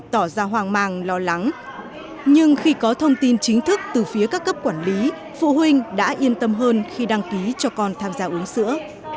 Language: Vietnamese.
tỏ ra hoàng mang lo lắng nhưng khi có thông tin chính thức từ phía các cấp quản lý phụ huynh đã yên tâm hơn khi đăng ký cho con tham gia uống sữa